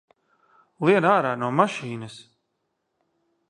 Lien ārā no mašīnas!